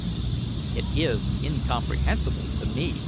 "It is incomprehensible to me."